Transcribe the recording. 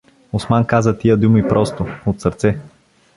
Осман каза тия думи просто, от сърце.